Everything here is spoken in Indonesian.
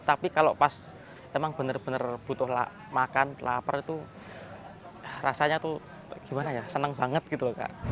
tapi kalau pas emang bener bener butuh makan lapar itu rasanya tuh gimana ya seneng banget gitu kak